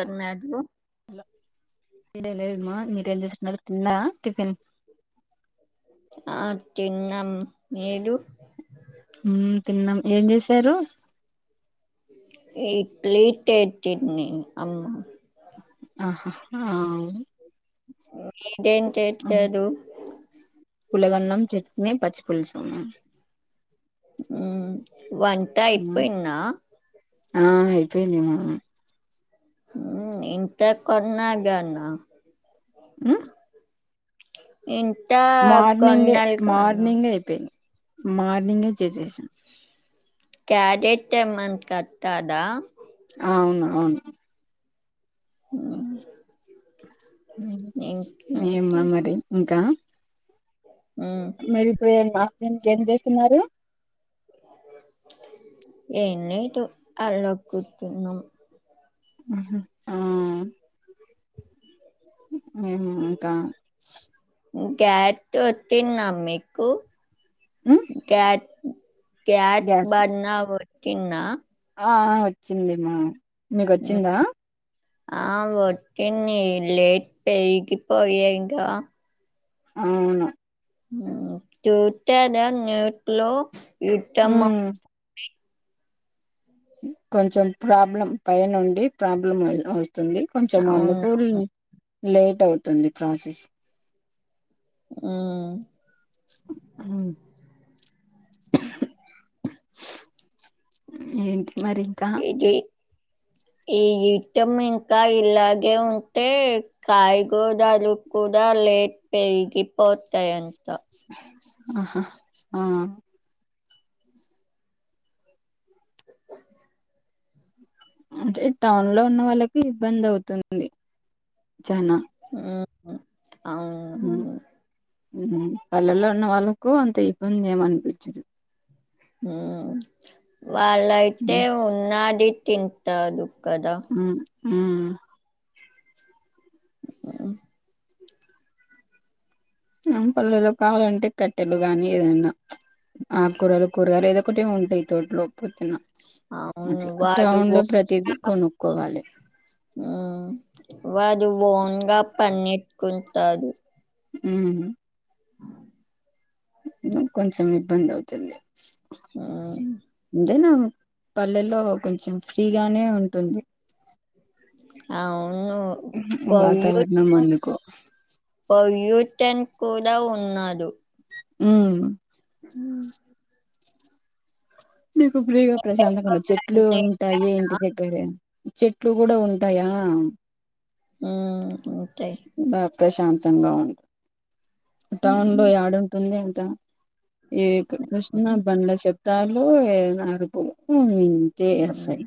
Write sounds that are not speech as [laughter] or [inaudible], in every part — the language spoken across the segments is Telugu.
హా హలో లేమ్మా మీరేం జేస్తున్నారు తిన్నా టిఫిన్ ఆ తిన్నం, మీరు? మ్ తిన్నం ఏం జేసారు ఇడ్లీ టేట్టింది అమ్మా. అహ ఆ అవున్ మీరేం చేత్తరు? పులగన్నం, చట్నీ, పచ్చిపుల్సును ఉమ్ వంట ఐపెన్నా ఆ అయిపోందేమా ఇంత కోన్న గనా ఉమ్ ఎం మార్నింగే మార్నింగే అయిపోంది మార్నింగే చేసేసాం. కెదెటమన్ కట్టదా అవును ఔను ఉమ్ ఏమ్మా మరి ఇంకా? మ్మ్ మీరి ఇప్పుడు ఏం మార్నింగ్కి ఏం చేస్తున్నారు? ఎం లెటు అలకుతున్నాం. ఆహ్ ఆ హుహ్ ఇంకా గ్యాట్ ఒతిన్నా మీకు? మ్మ్ క్యా క్యాట్ గ్యాస్ బర్నవుతిన్నా ఆ ఆ వచ్చింది. మా మీకోచ్చిందా? ఆ వచ్చింది లేట్ పైకి పోయే ఇంకా ఆవ్ను ఉహ్ చూట్టదా నోట్లో యుత్తమో మ్మ్ కొంచెం ప్రాబ్లం పై నుండి ప్రాబ్లం ఉన్నది. తుంది కొంచం అవును అందుకుని లేటవుతుంది ప్రోసెస్. ఉమ్ ఆహ్ ఉహ్ ఏంటి మరింకా? ఏట్టం ఇంకా ఇలాగే ఉంటే కాయగుదలు కూడా లేట్ పేగిపోతయంత ఆహా ఆ అంటే టౌన్లో ఉన్న వాళ్ళకి ఇబ్బంది అవుతుంది చనా. ఉహ్ అవునవును ఉహ్ పల్లల్లో ఉన్న వాళ్ళకు అంతిబ్బంది ఏమన్పించదు. ఊ వాళ్ళైతే ఉమ్ ఉన్నాది తింటాదు కదా. ఉమ్ ఎలా ఆ పల్లెలో కావాలంటే కట్టెలు గానీ ఏదెన్నా ప్చ్ ఆకు కూరలు, కూరగాలు ఏదోకటి ఉంటాయి తోటలో పుతున్నా అవును అట్లా వాడు ఓ- టౌన్లో ప్రతీది కొనుక్కోవాలి. ఉమ్, వాడు ఓన్గా పన్నెట్కుంటాడు. ఉహ్ కొంచెం ఇబ్బందవుతుంది అంతేనా. పల్లెల్లో కొంచెం ఫ్రీగానే ఉంటుంది. అవ్నూ పోయి వాతావరణం అందుకు పోయి యూస్టెన్ కూడా ఉన్నాడు. ఉమ్ ఉమ్ నీకు ఫ్రీగా ప్రశాంతంగా చెట్లు ఉంటాయి ఇంటి దగ్గరే చెట్లు గూడా ఉంటాయా హ్మ్ బా ప్రశాంతంగా ఉం టౌన్లో ఉమ్, యాడుంటుంది ఎక్కడ చుసిన బండ్ల శబ్దాలు అరుపులు ఇంతే వస్తాయి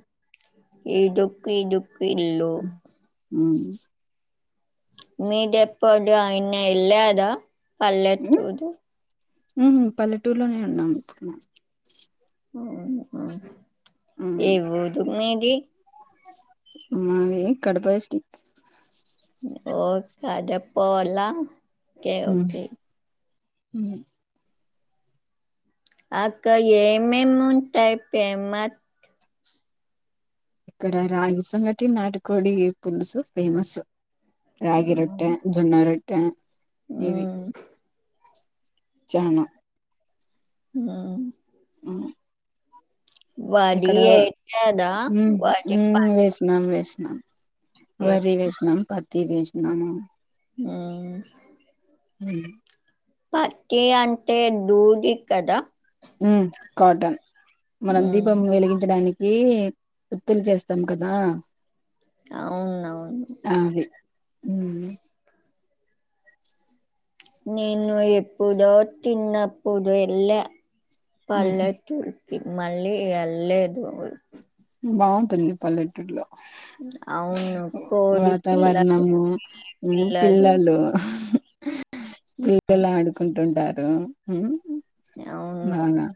ఇదుక్ ఇదుక్ ఇల్లు అవును మీదెప్పుడు ఐన ఎళ్ళెదా పల్లెటుదు అ పల్లెటూర్లోనే ఉన్నాము అ అవునా ఏమవుతుందేంటి మావే కడుపుష్టి కడుపుల ఓకే ఓకే ఉమ్మ్ అక్క ఏమేమ్ ఉంటాయ్ పేమ్మా ఇక్కడ రాగి సంగటి నాటుకోడి పుల్సు ఫేమస్ రాగి రొట్ట ఉమ్ జొన్న రొట్ట ఇవి ఉమ్ చనా హ్మ్ అ వరి ఇక్కడ యేత్తడా వరి ఉమ్ వేస్ నన్ వేస్ పత్తి వరి వేస్నమ్ పత్తి వేస్నము హ్మ్ ఉ పత్తి అంటే దూది కదా ఉ కాటన్ మనం హ్మ్ దీపం వెలిగించడానిక్ కి ఓత్తుల్ చేస్తాం కదా అవునవును అవి ఉమ్ నేను ఎప్పుడో చిన్నప్పుడ్ వెల్లా ఉహు, పల్లె టుర్కి మళ్ళీ ఎల్లెదు ఉ బాఉంటుంది పల్లెటూర్లో అవును కోడి పిల్లలు వాతావర్ణము ఉమ్ పిల్లలు హ్మ్ పిల్లల్ ఆడుకుంటుంటారు ఉమ్ నవ్నా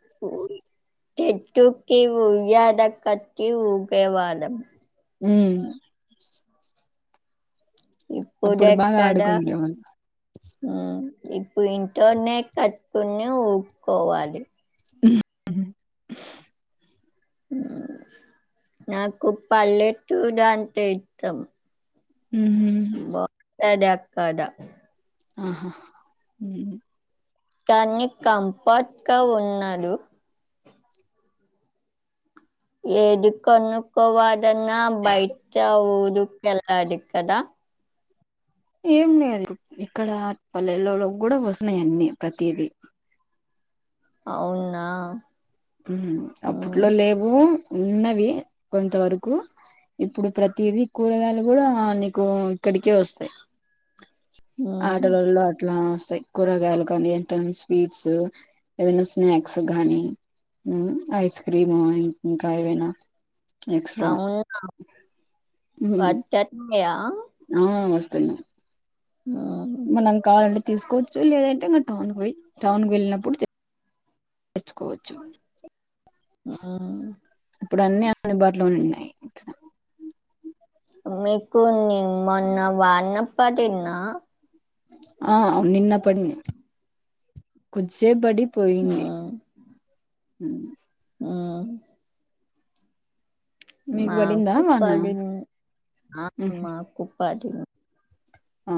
తెటుకిీ ఊయ్యల కటి ఊగేవాళం ఉమ్ అప్పుడు బాగా ఇప్పుడెకడ ఆడుకునే వాళ్ళు ఇప్పుడ్ ఇంట్లోనే కట్కోని ఊగ్కోవాలి నాకు పల్లెట్టుద్ అంతే ఇత్తం ఉహు యాడ పడ ఆహా ఉహు కాన్ని కంపట్ కా ఉన్నాడు ఏది కోనుకోవదన్నా బైట్కె వోవ్దు ఎలాలి కదా ఏమ్ లేదు ఇక్కడ పల్లెలలో గూడా వస్తున్నాయ్ అన్నీ ప్రతిదీ అవునా ఉహు ఉమ్ అప్పట్లో లేవు ఉన్నవి కొంత వరకు ఇప్పుడు ప్రతిది కూరగాయల్ గూడా నీకు ఇ ఇడికే వస్తాయ్ ఉమ్ ఆటోలలొ అట్లా వస్తాయ్ కూరగాయలు కానీ ఏంట స్వీట్స్ ఏదైనా స్నాక్స్ గాని ఉ ఐస్ క్రీమో ఇన్ ఇంకా ఎవైనా ఎక్సట్రా అవును హ్మ్ వచ్చేత్తాయా హ్మ్ వస్తున్ హ్మ్ మనం కావాలంటే తీసుకోచ్చు లేదంటే ఇంకా టౌన్ పోయి టౌన్ వేళ్ళినప్పుడు తెచ్చుకోవచ్చు ఉమ్ ఇప్పుడు అన్ని అందుబాటులో ఉన్నాయ్ మీకు మొన్న వాన్నపడిందా ఆహ్ నిన్న పడింది కోద్సేప్ పడి పోయింది ఉమ్ హ్మ్ హ్మ్ మీకు పడిందా వాన మాకుప్పడిన్ మాక్ మాకుప్పడిన్ ఆ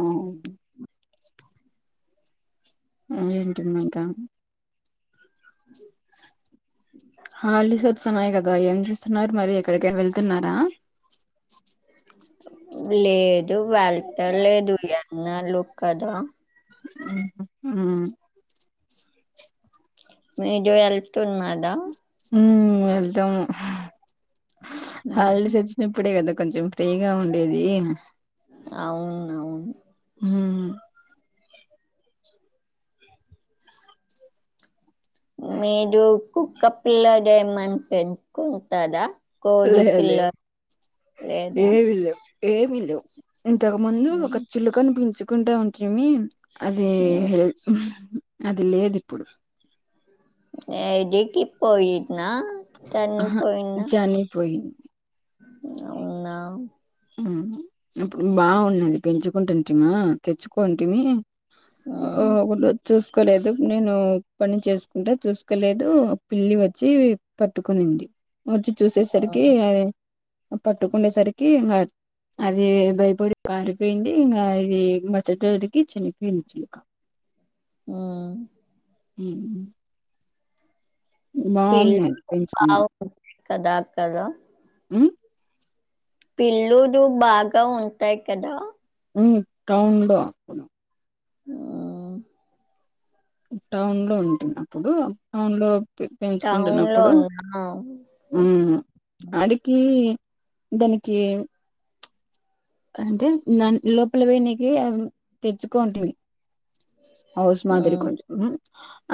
ఏమీ తినీమంటా హాలిడేస్ [unintelligible] కదా ఏం చేస్తున్నారు మరి ఎక్కడికైన వెళ్తున్నారా లేదు వెళ్త లేదు ఎన్నాలు కదా హ్మ్ మీడు ఎల్తున్నాడ హ్మ్ వెళ్తాము ఉమ్, హాలిడేస్ వచ్చినప్పుడే గదా కొంచం ఫ్రీగా ఉండేదీ అన్ అవునువను హ్మ్ హ్మ్ మీడు కుక్క పిల్లడేమన్న పెంన్కుంటదా కోడి లేదు పిల్ల లేదు లేదా ఏవి లేవు ఏమి లేవ్ ఇంతక్ ముందు ఒక చిలుకని పెంచుకుంటా ఉంటిమి అదీ హ్మ్ అది లేదు ఇప్పుడు ఏగేగి పోయిన్నా తన్ను ఆహా పోయిన్న చనిపోయింది ఔనా హ్మ్ ఇప్పుడు బాగుండు పెంచుకుంటుంటిమా తెచ్చుకోంటిమి ఓ ఉమ్, ఒగల్ బచ్చేస్ కోలేదు నేను పని చేస్కుంటా చూస్కోలేదు పిల్లి వచ్చీ పట్టుకునింది వచ్చి చూసేసరికీ అది పట్టుకుండేసరికి ఇంగ అది బయపడి పారిపోయింది ఇంగా ఇది మచ్చటరోజుకి చనిపోయింది చిలుక హ్మ్ హ్మ్ పెంచుకున్నా [unintelligible] కదా కదా హ్మ్ పిల్లుదు బాగ ఉంటాయి కదా హ్మ్ [unintelligible] హ్మ్ టౌన్ లో ఉంటున్నప్పుడు టౌన్ లో టౌన్ లో పెంచుకుంటున్నప్పుడు ఉన్నా హ్మ్ ఆడికీ దనికీ అంటే దన్ లోపల పోయానికి తెచ్చుకోంటిమీ హౌస్ మాదిరి హ్మ్ కొంచం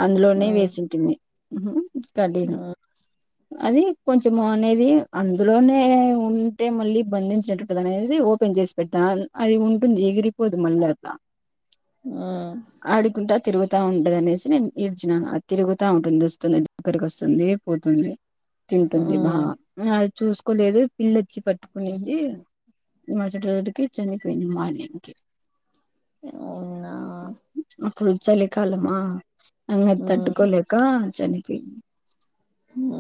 అందులోనే హ్మ్ వేసింటిమీ ఉహ్మ్ కడిం హ్మ్ అది కొంచం ము అనేది అందులోనే ఉంటే మళ్ళీ బందించినట్టు అనేసి ఓపెన్ జేసి పెటాం అది ఉంటుంది ఎగిరిపోదు మళ్ళ అట్లా హ్మ్ ఆడుకుంట తిరు తా ఉంటది అనేసి నేను ఈడ్చిన ఆది తిరుగుతా ఉంటుంది [unintelligible] పోతుంది తింటుంది బా హ్మ్ మరి చూసుకోలేదు పిల్లొచ్చి పట్టుకునిందీ మర్సట్ రోజుకి చనిపోయింది మార్నింగ్కి అవునా అప్పుడు చలికాలమా ఇంగ హ్మ్ తట్టుకోలేక చనిపోయింది హ్మ్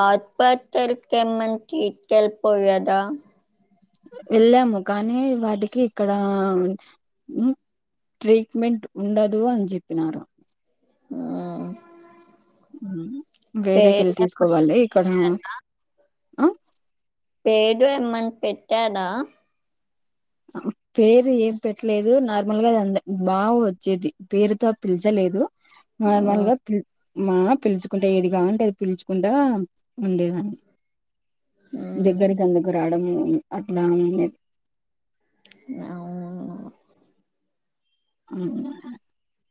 ఆ అప్ప తెరిక్కెమ్మంటె తీత్ కెల్ పోయాడా వెళ్ళాము కానీ వాటికి ఇక్కడా ట్రీట్మెంట్ ఉండదూ అని చెప్పినారు హా వేరేకెళ్ళి తీస్కోవాలి ఇక్కడా ఆ పేడు ఏమన్ పెట్టాడా పేరు ఏం పెట్లేదూ నార్మల్గ అందె బాగా వచ్చేద్ది పేరుతో పిల్చలేదు హ్మ్ నార్మల్గా పిల్ మా పిల్చుకుంటే ఏది గాంటే అది పిల్చుకుంటా ఉండేదాన్ని హ్మ్ దగ్గరికి అందుకు రావడం అట్లానేం అవును ఉహ్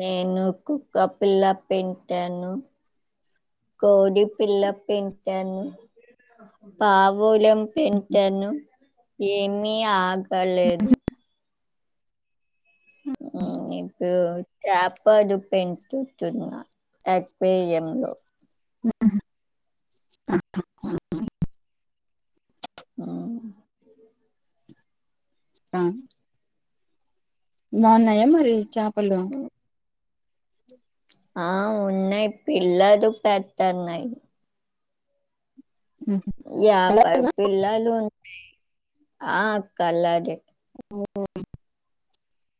నేను కుక్క పిల్ల పెంటాను కోడి పిల్ల పెంటాను పావు పొలం పెంటాను ఏమీ ఆగలేదు ఇప్పు చెప్పలు పెంచుచున్న అక్వెేర్యంలో ఆ ఆ బావున్నాయా మరి చాపలు ఆ ఉన్నయ్ పిల్లదు పెడ్తున్నాయ్ హుహు. కలర్స్ యాపై పిల్లలున్నాయ్ ఆ కలర్ య్ ఒ ఓ ఔ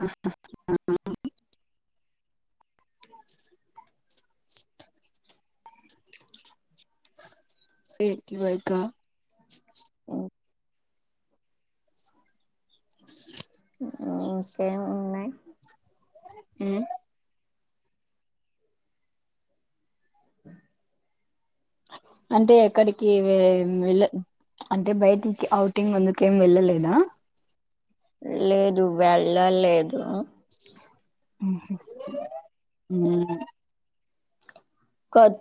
అ అ అ ఏంటి మరి ఇంకా ఉ ఇంకేమున్నాయ్ హు అంటే ఎక్కడికి వే వెళ్లే అంటే బయటికి ఔటింగ్ అందుకేం వెళ్ళలేదా లేదు వెళ్ళలేదూ ఉహు ఉమ్ ఉ కో